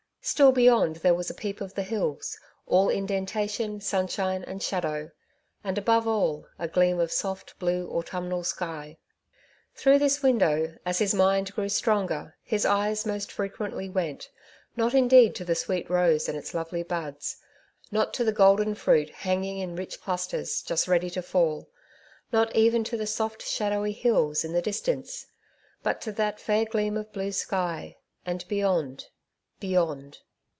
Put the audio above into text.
Still beyond there was a peep of the hills — all indentation, sunshine and shadow; and above all, a gleam of soft, blue antnmnal sky. Through this window, as his mind grew stronger, his eyes most frequently went— not indeed to the sweet rose and its lovely buds ; not to the golden fruit, hanging in rich clusters, just ready to fall ; not even to the soft, shadowy hills in the distance; but to that fair gleam of blue sky, and beyond — ^beyond